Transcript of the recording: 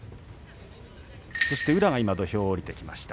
そして宇良が今、土俵を下りてきました。